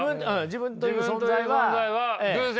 自分という存在は偶然。